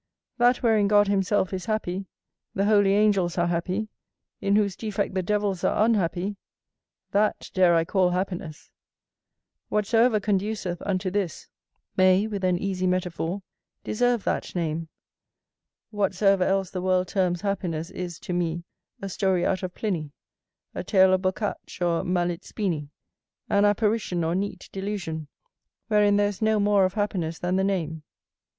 That wherein God himself is happy, the holy angels are happy, in whose defect the devils are unhappy; that dare I call happiness: whatsoever conduceth unto this, may, with an easy metaphor, deserve that name; whatsoever else the world terms happiness is, to me, a story out of Pliny, a tale of Bocace or Malizspini, an apparition or neat delusion, wherein there is no more of happiness than the name.